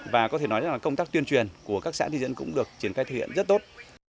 và có thể nói là công tác tuyên truyền của các xã thị dân cũng được triển khai thực hiện rất tốt